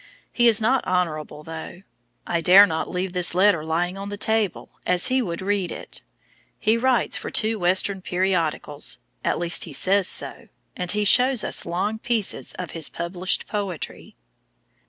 He is not honorable, though. I dare not leave this letter lying on the table, as he would read it. He writes for two Western periodicals (at least he says so), and he shows us long pieces of his published poetry.